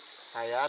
itu adalah kegiatan